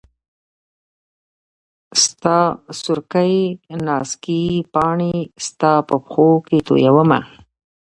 ستا سورکۍ نازکي پاڼي ستا په پښو کي تویومه